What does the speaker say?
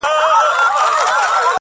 دا ارزښتمن شى په بټوه كي ساته~